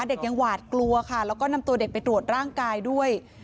เด็กยังหวาดกลัวค่ะแล้วก็นำตัวเด็กไปตรวจร่างกายด้วย